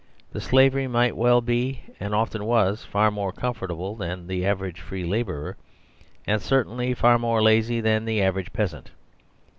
The slave might well be, and often was, far more comfortable than the average free la bourer; and certainly far more lazy than the average peasant.